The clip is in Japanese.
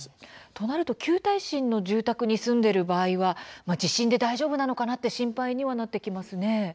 となると旧耐震の住宅に住んでいる場合は地震で大丈夫なのかなと心配になってきますね。